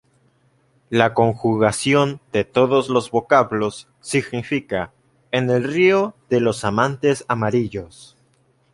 La conjugación de todos los vocablos significa "En el río de los amates amarillos".